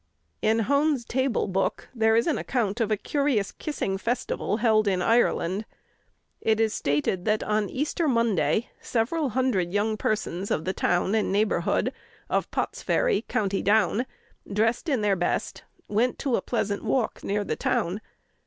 In Hone's "Table Book" there is an account of a curious kissing festival held in Ireland. It is stated that on Easter Monday several hundred young persons of the town and neighborhood of Potsferry, County Down, dressed in their best, went to a pleasant walk near the town.